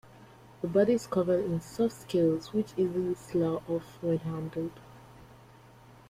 The body is covered in soft scales which easily slough off when handled.